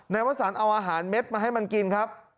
นายวัฒนธรรมนร์เอาอาหารเม็ดมาให้มันกินครับ